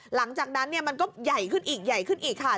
หลังจากนั้นเนี่ยมันก็ใหญ่ขึ้นอีกขึ้นอีกค่ะ